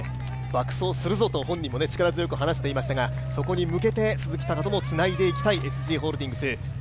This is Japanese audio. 爆走すると本人も話していましたがそこに向けてつないでいきたいＳＧホールディングス。